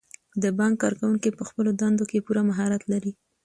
د بانک کارکوونکي په خپلو دندو کې پوره مهارت لري.